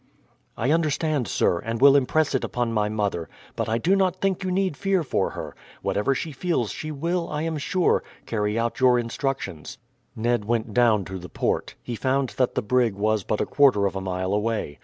"I understand, sir, and will impress it upon my mother; but I do not think you need fear for her. Whatever she feels she will, I am sure, carry out your instructions." Ned went down to the port. He found that the brig was but a quarter of a mile away.